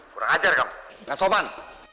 kurang ajar kamu gak sopan